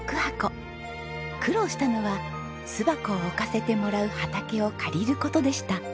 苦労したのは巣箱を置かせてもらう畑を借りる事でした。